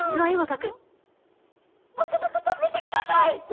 「僕のこと見てください！」と。